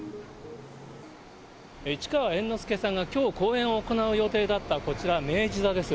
市川猿之助さんがきょう公演を行う予定だった、こちら、明治座です。